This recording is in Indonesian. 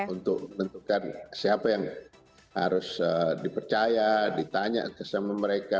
untuk menentukan siapa yang harus dipercaya ditanya sama mereka